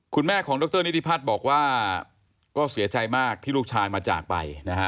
คุณแม่ของดรนิธิพัฒน์บอกว่าก็เสียใจมากที่ลูกชายมาจากไปนะฮะ